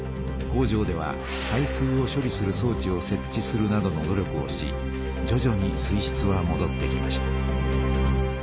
工場では排水を処理するそう置をせっ置するなどの努力をしじょじょに水しつはもどってきました。